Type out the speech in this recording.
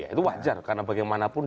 itu wajar karena bagaimanapun